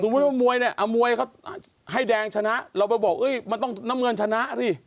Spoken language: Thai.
สมมุติว่ามวยมวยเขาให้แดงชนะเราไปบอกมันต้องน้ำเงินชนะ